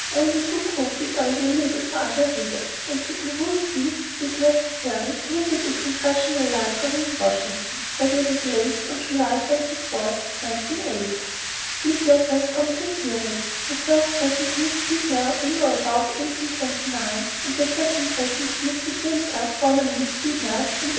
Only two copies are available for other readers, and to peruse these it is necessary to visit the Congressional Library in Washington, where they were placed on July 24, 1908. These letters form two series the first written to Miss Beadnell in or about 1829, and the second written to Mrs. Winter, formerly Miss Beadnell, in 1855.